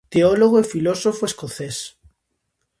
Teólogo e filósofo escocés.